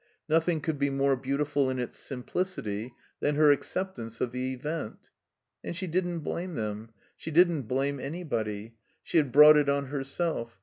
Nothing could be more beautiful in its simplicity than her acceptance of the event. And she didn't blame them. She didn't blame anybody. She had brought it on herself.